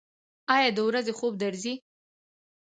ایا د ورځې خوب درځي؟